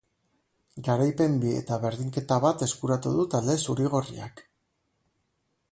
Garaipen bi eta berdinketa bat eskuratu du talde zuri-gorriak.